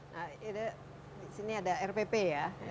nah ini ada rpp ya